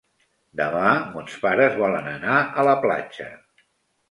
Demà mons pares volen anar a la platja.